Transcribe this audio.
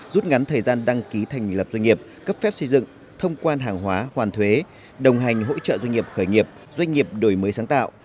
rút ngắn thời gian đăng ký thành lập doanh nghiệp cấp phép xây dựng thông quan hàng hóa hoàn thuế đồng hành hỗ trợ doanh nghiệp khởi nghiệp doanh nghiệp đổi mới sáng tạo